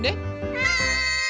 はい！